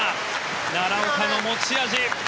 奈良岡の持ち味。